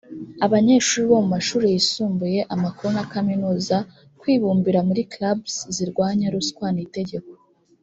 abanyeshuri bo mu mashuri yisumbuye amakuru na kaminuza kwibumbira muri clubs zirwanya ruswa ni itegeko